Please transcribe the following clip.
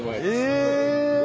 え！